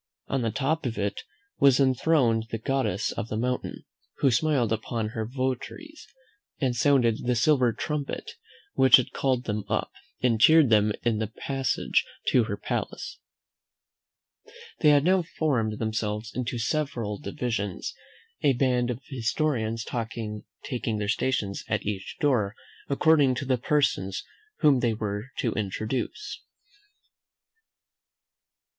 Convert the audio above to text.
On the top of it was enthroned the goddess of the mountain, who smiled upon her votaries, and sounded the silver trumpet which had called them up, and cheered them in their passage to her palace. They had now formed themselves into several divisions, a band of historians taking their stations at each door, according to the persons whom they were to introduce.